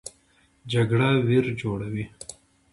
جګړه ویر جوړوي